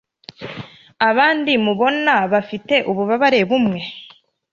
abandi mubona bafite ububabare bumwe